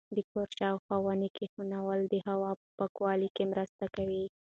د کور شاوخوا ونې کښېنول د هوا په پاکوالي کې مرسته کوي.